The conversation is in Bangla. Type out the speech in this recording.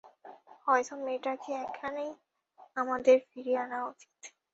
হয়তো মেয়েটাকে এখানে আমাদের ফিরিয়ে আনা উচিত।